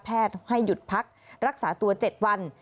ให้หยุดพักรักษาตัว๗วัน